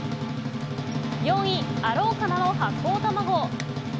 ４位、アローカナのはっこう卵。